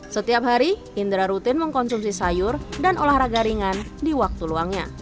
setiap hari indra rutin mengkonsumsi sayur dan olahraga ringan di waktu luangnya